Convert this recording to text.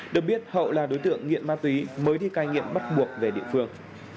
được biết hậu là đối tượng nghiện ma túy mới thi ca nghiện bắt buộc về địa phương